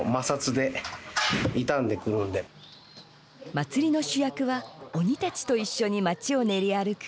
祭りの主役は鬼たちと一緒に街を練り歩く